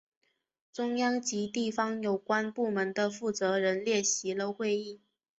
中央及地方有关部门的负责人列席了会议。